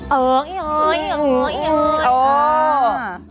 เออไอ้โฮยไอ้โฮยไอ้โฮย